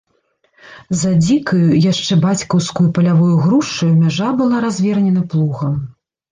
За дзікаю, яшчэ бацькаўскаю палявою грушаю мяжа была развернена плугам.